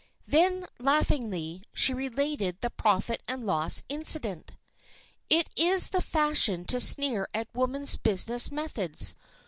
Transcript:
Then, laughingly, she related the "profit and loss" incident. It is the fashion to sneer at women's business methods.